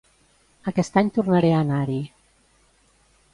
Aquest any tornaré a anar-hi